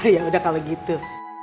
yaudah kalau gitu